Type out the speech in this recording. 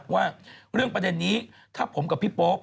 ว่าเรื่องประเด็นนี้ถ้าผมกับพี่โป๊ป